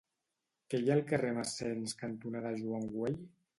Què hi ha al carrer Massens cantonada Joan Güell?